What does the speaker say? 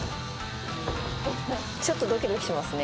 ちょっとドキドキしますね